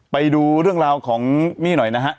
ไปดูเรื่องราวของมี่หน่อยนะฮะ